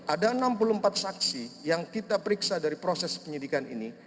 ada enam puluh empat saksi yang kita periksa dari proses penyidikan ini